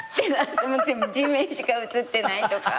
地面しか写ってないとか。